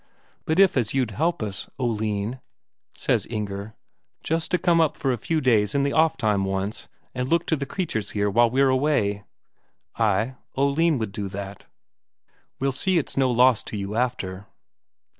"But if as you'd help us, Oline," says Inger. "Just to come up for a few days in the off time once, and look to the creatures here while we're away?" Ay, Oline would do that. "We'll see it's no loss to you after."